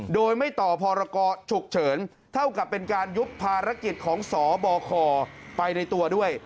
โดยไม่ต่อพรกรฉุกเฉินเท่ากับเป็นการยุบภารกิจของสบคไปในตัวด้วย